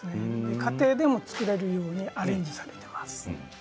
家庭でも作れるようにアレンジされています。